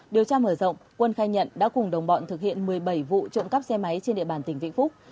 điều tra mở rộng quân khai nhận đã cùng đồng bọn thực hiện một mươi bảy vụ trộm cắp xe máy trên địa bàn tỉnh vĩnh phúc